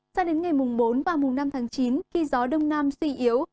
sao đến ngày bốn và năm tháng chín khi gió đông nam suy yếu